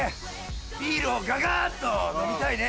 ビールをガガっと飲みたいね。